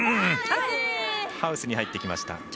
ハウスに入ってきました。